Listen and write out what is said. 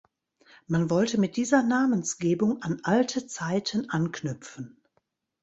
Man wollte mit dieser Namensgebung an alte Zeiten anknüpfen.